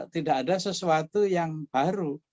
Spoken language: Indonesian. tidak ada sesuatu yang baru